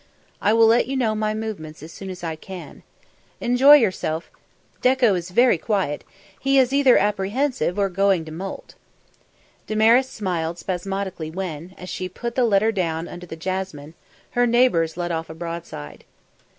I will let you know my movements as soon as I can. Enjoy yourself. Dekko is very quiet; he is either apprehensive or going to moult." Damaris smiled spasmodically when, as she put the letter down under the jasmine, her neighbours let off a broadside.